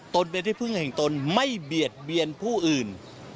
ตนเป็นที่พึ่งแห่งตนไม่เบียดเบียนผู้อื่น